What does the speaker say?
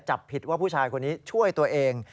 จับผิดว่าผู้ชายคนนี้ช่วยตัวเอง